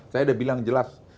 saya udah bilang jelas